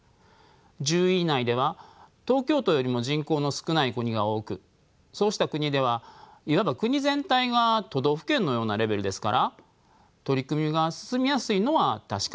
１０位以内では東京都よりも人口の少ない国が多くそうした国ではいわば国全体が都道府県のようなレベルですから取り組みが進みやすいのは確かでしょう。